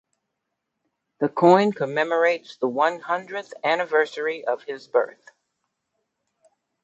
The coin commemorates the one hundredth anniversary of his birth.